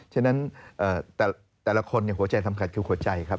ฉะนั้นแต่ละคนหัวใจสำคัญคือหัวใจครับ